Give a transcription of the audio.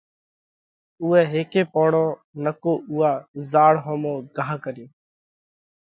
اُوئہ هيڪي پوڻو نڪو اُوئا زاۯ ۿومو گھا ڪريو